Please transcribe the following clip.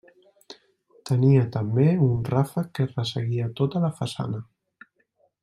Tenia també un ràfec que resseguia tota la façana.